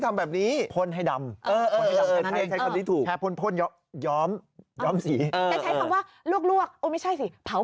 แต่ใช้คำว่าลวกไม่ใช่สิเผา